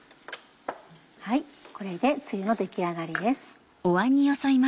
これでつゆの出来上がりです。